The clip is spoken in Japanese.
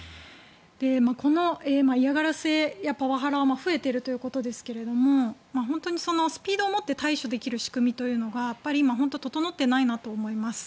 この嫌がらせやパワハラは増えているということですが本当にスピードを持って対処できる仕組みというのが今、本当に整っていないなと思います。